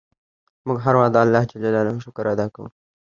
موږ هر وخت د اللهﷻ شکر ادا کوو.